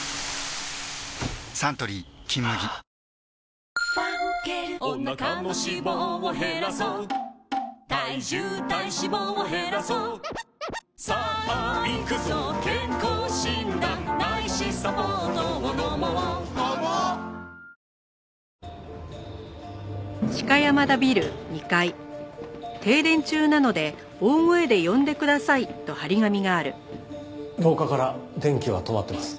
サントリー「金麦」廊下から電気は止まってます。